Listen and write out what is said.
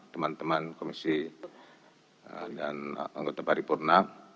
teman teman komisi dan anggota paripurna